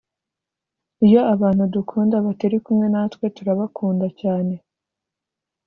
iyo abantu dukunda batari kumwe natwe, turabakunda cyane.